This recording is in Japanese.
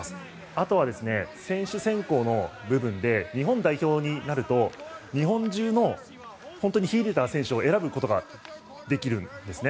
あとは選手選考の部分で日本代表になると日本中の本当に秀でた選手を選ぶことができるんですね。